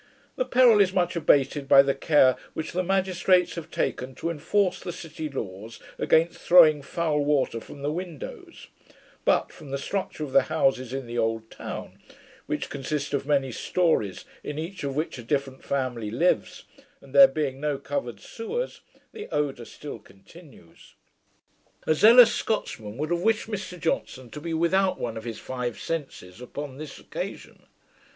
The peril is much abated, by the care which the magistrates have taken to enforce the city laws against throwing foul water from the windows; but, from the structure of the houses in the old town, which consist of many stories, in each of which a different family lives, and there being no covered sewers, the odour still continues. A zealous Scotsman would have wished Mr Johnson to be without one of his five senses upon this occasion.